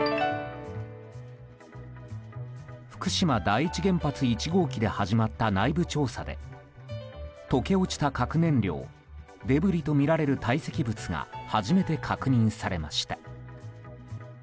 福島第一原発１号機で始まった内部調査で溶け落ちた核燃料デブリとみられる堆積物が初めて確認されました。